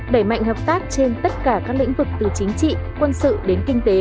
đẩy mạnh hợp tác trên tất cả các lĩnh vực từ chính trị quân sự đến kinh tế